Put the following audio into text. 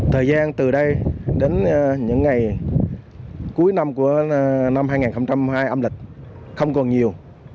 thời gian từ đây đến những ngày cuối năm của năm hai nghìn hai âm lịch không còn nhiều